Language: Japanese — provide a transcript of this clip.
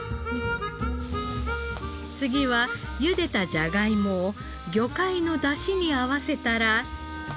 次はゆでたじゃがいもを魚介のダシに合わせたら。